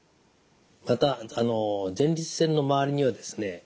また前立腺の周りにはですね